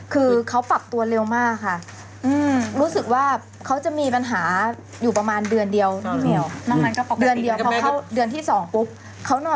คือเขาปรับตัวเร็วมากค่ะ